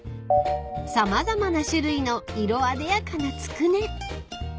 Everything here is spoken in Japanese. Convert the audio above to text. ［様々な種類の色あでやかなつくね］